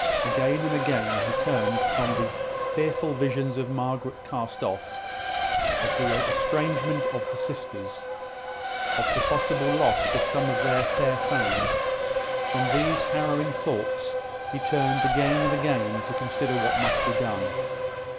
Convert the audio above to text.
Again and again he turned from the fearful visions of Margaret cast off, of the estrangement of the sisters, of the possible loss of some of their fair fame from these harrowing thoughts he turned again and again to consider what must be done.